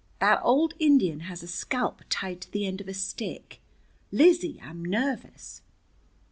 That old Indian has a scalp tied to the end of a stick. Lizzie, I'm nervous."